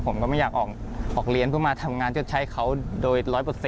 ผมก็ไม่อยากออกเรียนเพื่อมาทำงานชดใช้เขาโดย๑๐๐